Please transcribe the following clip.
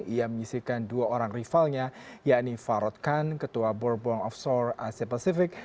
ia menyisikan dua orang rivalnya yaitu farod khan ketua borbong of seoul asia pacific